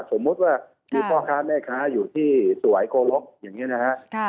สมมุติว่ามีพ่อค้าแม่ค้าอยู่ที่สวัยโกรกอย่างนี้นะฮะ